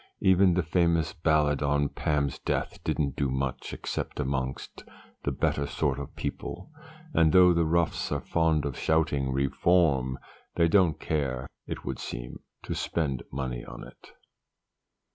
Even the famous Ballad on Pam's death didn't do much except among the better sort of people; and though the roughs are fond of shouting Reform, they don't care, it would seem, to spend money on it."